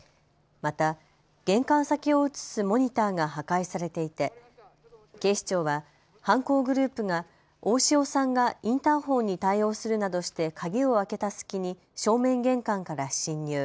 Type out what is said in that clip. また玄関先を映すモニターが破壊されていて警視庁は犯行グループが大塩さんがインターホンに対応するなどして鍵を開けた隙に正面玄関から侵入。